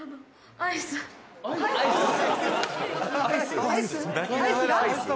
アイスが？」